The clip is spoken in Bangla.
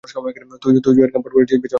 তুই জো এর গামবুট পড়েছিস, বেজন্মা!